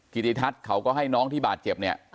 กิติทัศน์เขาก็ให้น้องที่บาดเจ็บเนี่ย